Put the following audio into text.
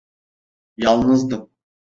Yalnızdım.